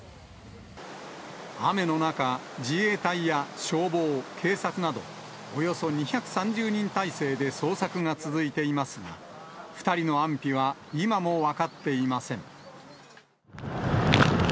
雨の中、自衛隊や消防、警察など、およそ２３０人態勢で捜索が続いていますが、２人の安否は今も分かっていません。